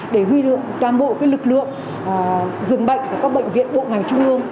để huy được toàn bộ lực lượng dừng bệnh của các bệnh viện bộ ngành trung ương